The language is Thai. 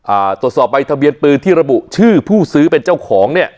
อ่าตรวจสอบใบทะเบียนปืนที่ระบุชื่อผู้ซื้อเป็นเจ้าของเนี่ย